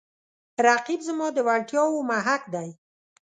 رقیب زما د وړتیاو محک دی